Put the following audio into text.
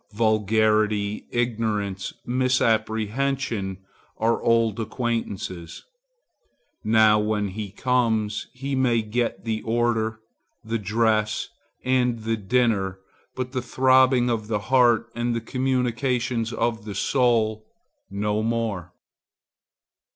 Vulgarity, ignorance, misapprehension are old acquaintances. Now, when he comes, he may get the order, the dress and the dinner,—but the throbbing of the heart and the communications of the soul, no more.